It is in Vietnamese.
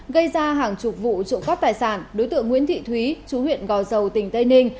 gây ra hàng chục vụ trộm cắp tài sản đối tượng nguyễn thị thúy chú huyện gò dầu tỉnh tây ninh